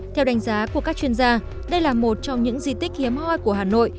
theo đánh giá của các chuyên gia đây là một trong những di tích hiếm hoi của hà nội